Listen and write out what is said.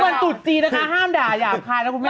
วันนี้วันตุ๊ดจีนนะคะห้ามด่าอย่าภายแล้วคุณแม่